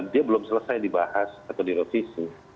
dia belum selesai dibahas atau di revisi